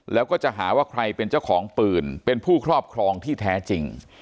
แล้วก็จะหาว่าใครเป็นเจ้าของปืนเป็นผู้ครอบครองที่แท้จริง